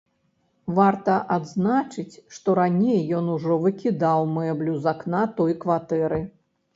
Варта адзначыць, што раней ён ужо выкідаў мэблю з акна той кватэры.